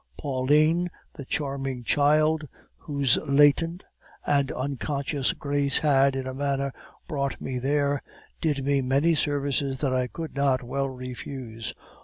Pauline, the charming child, whose latent and unconscious grace had, in a manner, brought me there, did me many services that I could not well refuse.